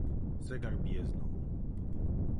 "Zegar bije znowu."